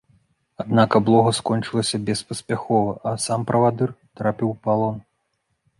Аднак аблога скончылася беспаспяхова, а сам правадыр трапіў у палон.